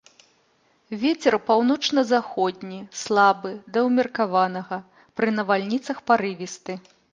Вецер паўночна-заходні слабы да ўмеркаванага, пры навальніцах парывісты.